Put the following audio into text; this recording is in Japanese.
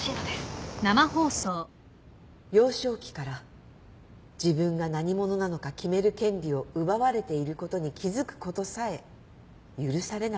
「幼少期から自分が何者なのか決める権利を奪われていることに気付くことさえ許されなかったのです」